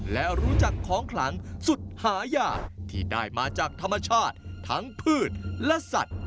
และรู้จักของขลังสุดหายากที่ได้มาจากธรรมชาติทั้งพืชและสัตว์